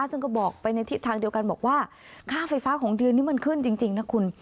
ซึ่งก็บอกไปในทิศทางเดียวกันบอกว่าค่าไฟฟ้าของเดือนนี้มันขึ้นจริงนะคุณ